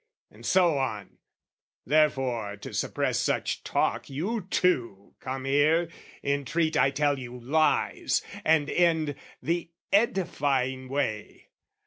And so on. Therefore to suppress such talk You two come here, entreat I tell you lies, And end, the edifying way.